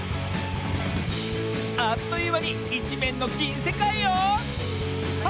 あっというまにいちめんのぎんせかいよ！